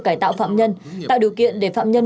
cải tạo phạm nhân tạo điều kiện để phạm nhân